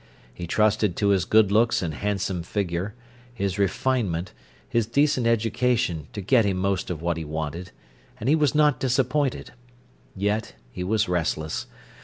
He trusted to his good looks and handsome figure, his refinement, his decent education to get him most of what he wanted, and he was not disappointed. Yet he was restless.